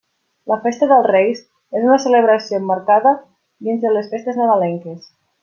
La Festa dels Reis és una celebració emmarcada dins les festes nadalenques.